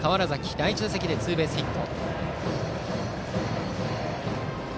第１打席でツーベースヒット。